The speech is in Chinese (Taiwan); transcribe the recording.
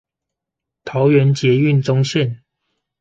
桃園捷運棕線